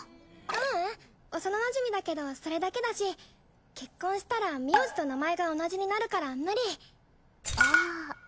ううん幼なじみだけどそれだけだし結婚したら名字と名前が同じになるから無理ああ